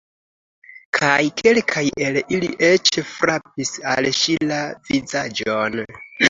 Kaj kelkaj el ili eĉ frapis al ŝi la vizaĝon.